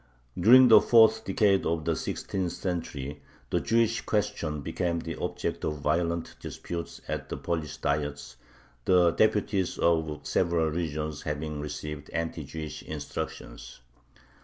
During the fourth decade of the sixteenth century the Jewish question became the object of violent disputes at the Polish Diets, the deputies of several regions having received anti Jewish instructions.